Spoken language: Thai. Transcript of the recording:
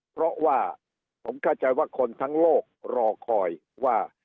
เพราะว่าผมเข้าใจว่าคนทั้งโลกรอคอยว่า